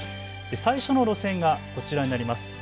最初の路線がこちらになります。